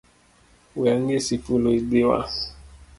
We angesi fulu idhiwa